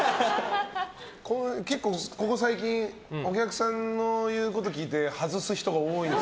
結構、ここ最近お客さんの言うことを聞いて外す人が多いので。